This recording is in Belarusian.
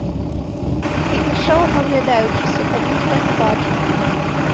І ішоў аглядаючыся, каб ніхто не бачыў.